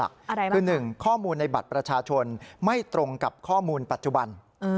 คือ๑ข้อมูลในบัตรประชาชนไม่ตรงกับข้อมูลปัจจุบัน